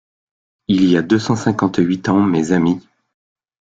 Il y a deux cent cinquante-huit ans, mes amis